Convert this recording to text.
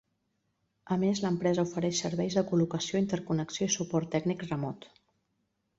A més, l'empresa ofereix serveis de col·locació, interconnexió i suport tècnic remot.